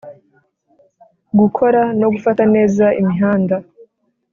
gukora no gufata neza imihanda,